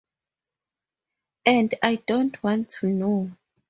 And I don't want to know.